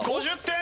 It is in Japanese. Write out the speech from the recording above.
５０点。